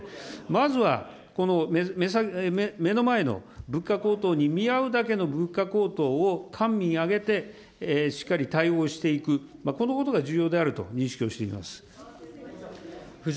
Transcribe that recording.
まずは、目の前の物価高騰に見合うだけの物価高騰を官民挙げてしっかり対応していく、このことが重要であると認識をしております。